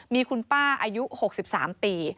มีคุณป้าอายุ๖๓ปี